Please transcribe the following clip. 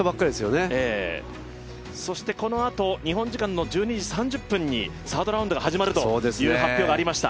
このあと、日本時間の１２時３０分にサードラウンドが始まるという発表がありました。